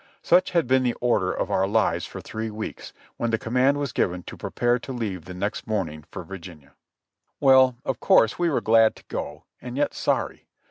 Such had been the order of our lives for three weeks, when the command was given to prepare to leave the next morning for Virginia. Well, of course we were glad to go, and yet sorry.